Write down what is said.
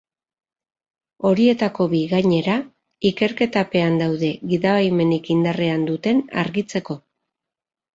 Horietako bi, gainera, ikerketapean daude gidabaimenik indarrean duten argitzeko.